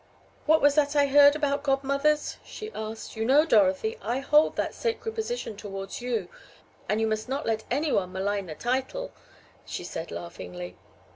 "What was that I heard about godmothers?" she asked. "You know, Dorothy, I hold that sacred position towards you, and you must not let any one malign the title," she said, laughingly.